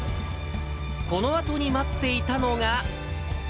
このあとに待っていたのが。